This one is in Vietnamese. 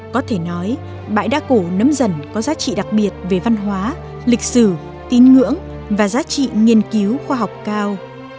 có thể nói bãi đá cổ nấm dần có giá trị đặc biệt về văn hóa lịch sử tín ngưỡng và giá trị nghiên cứu khoa học cao